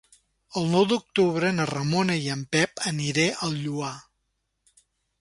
El nou d'octubre na Ramona i en Pep aniré al Lloar.